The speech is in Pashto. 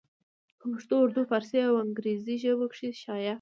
پۀ پښتو اردو، فارسي او انګريزي ژبو کښې شايع